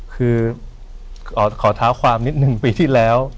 คือขอเท้าความนิดหนึ่งปีที่แล้ว